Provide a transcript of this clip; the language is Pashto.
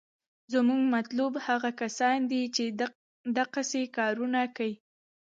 زمونګه مطلوب هغه کسان دي چې دقسې کارونه کيي.